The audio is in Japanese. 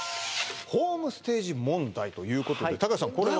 「ホームステージ問題」ということでたかしさんこれは？